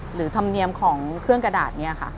ธรรมเนียมของเครื่องกระดาษนี้ค่ะ